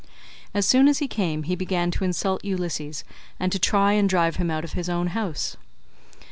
As soon as he came he began to insult Ulysses, and to try and drive him out of his own house.